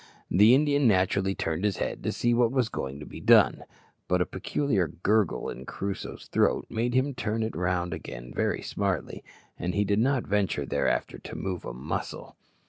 The Indian naturally turned his head to see what was going to be done, but a peculiar gurgle in Crusoe's throat made him turn it round again very smartly, and he did not venture thereafter to move a muscle.